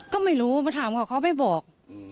ก็ไม่รู้มาถามเขาเขาไม่บอก